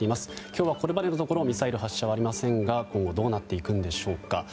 今日はこれまでのところミサイル発射はありませんがどうなっていくんでしょうか。